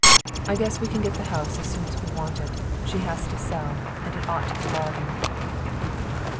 I guess we can get the house as soon as we want it. She has to sell; and it ought to be a bargain."